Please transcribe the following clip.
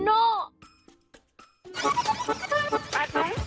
โอ้โฮ